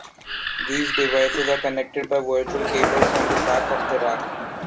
These devices are connected by virtual cables on the back of the rack.